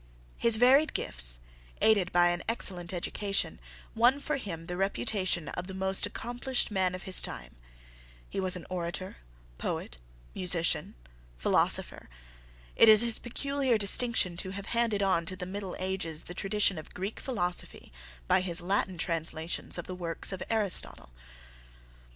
His varied gifts, aided by an excellent education, won for him the reputation of the most accomplished man of his time. He was orator, poet, musician, philosopher. It is his peculiar distinction to have handed on to the Middle Ages the tradition of Greek philosophy by his Latin translations of the works of Aristotle.